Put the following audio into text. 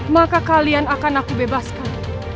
maka kalian akan aku bebaskan